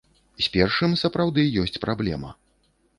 З першым сапраўды ёсць праблема.